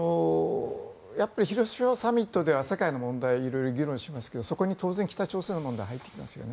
やっぱり広島サミットでは世界の問題を色々議論しますがそこに当然、北朝鮮の問題は入ってきますよね。